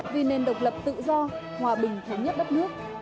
vì nền độc lập tự do hòa bình thống nhất đất nước